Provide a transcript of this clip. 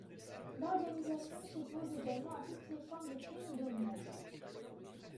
L'organisation s'oppose également à toutes les formes de crime d'honneur.